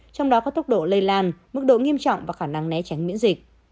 trong đó có tốc độ lây lan mức độ nghiêm trọng và khả năng né tránh miễn dịch